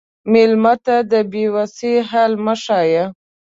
مېلمه ته د بې وسی حال مه ښیه.